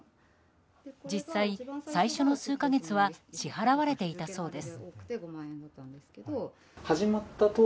実際、最初の数か月は支払われていたそうです。